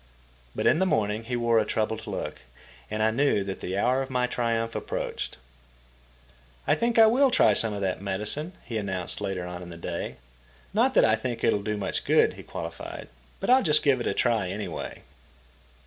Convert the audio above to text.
But in the morning he wore a troubled look, and I knew that the hour of my triumph approached. "I think I will try some of that medicine," he announced later on in the day. "Not that I think it'll do much good," he qualified, "but I'll just give it a try anyway."